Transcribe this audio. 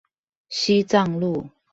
西藏路